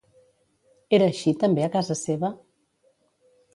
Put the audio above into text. Era així també a casa seva?